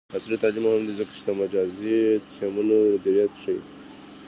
عصري تعلیم مهم دی ځکه چې د مجازی ټیمونو مدیریت ښيي.